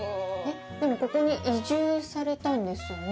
でも、ここに移住されたんですよね。